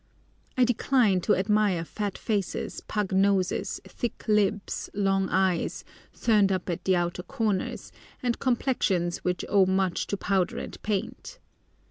I decline to admire fat faces, pug noses, thick lips, long eyes, turned up at the outer corners, and complexions which owe much to powder and paint.